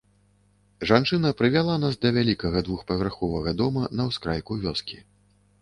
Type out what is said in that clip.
Жанчына прывяла нас да вялікага двухпавярховага дома на ўскрайку вёскі.